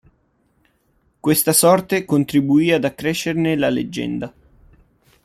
Questa sorte contribuì ad accrescerne la leggenda.